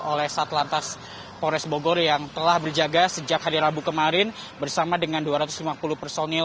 oleh satlantas polres bogor yang telah berjaga sejak hari rabu kemarin bersama dengan dua ratus lima puluh personil